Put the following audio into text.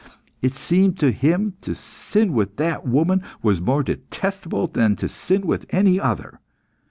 It seemed to him that to sin with that woman was more detestable than to sin with any other.